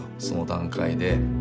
その段階で。